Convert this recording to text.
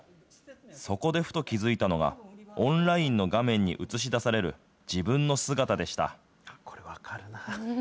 そこでふと気付いたのが、オンラインの画面に映し出される自分の姿でした。